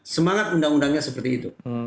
semangat undang undangnya seperti itu